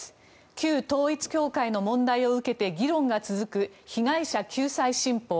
旧統一教会の問題を受けて議論が続く被害者救済新法。